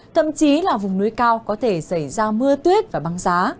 thậm chí là vùng núi cao có thể xảy ra mưa tuyết và băng giá